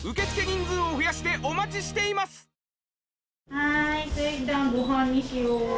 はーい穂ちゃんご飯にしよう。